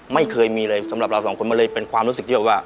ไม่เคยมีเลยสำหรับเราสองคนมันเลยเป็นความรู้สึกที่แบบว่า